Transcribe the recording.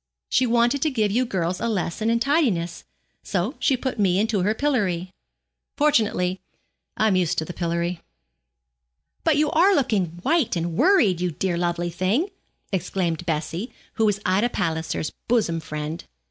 She wanted to give you girls a lesson in tidiness, so she put me into her pillory. Fortunately I'm used to the pillory.' 'But you are looking white and worried, you dear lovely thing,' exclaimed Bessie, who was Ida Palliser's bosom friend.